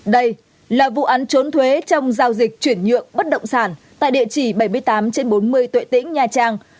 đây là vụ án trốn thuế trong giao dịch chuyển nhượng bất động sản tại địa chỉ bảy mươi tám trên bốn mươi tuệ tĩnh nha trang